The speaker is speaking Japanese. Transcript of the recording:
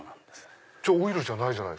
じゃあオイルじゃない。